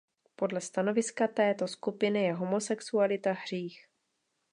Podle stanoviska této skupiny je homosexualita hřích.